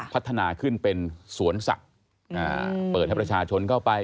พัฒนาขึ้นเป็นสวนสัตว์เปิดให้ประชาชนเข้าไป